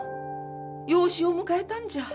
養子を迎えたんじゃ。